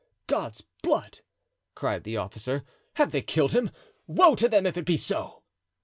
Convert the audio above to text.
"God's blood!" cried the officer, "have they killed him? Woe to them if it be so!"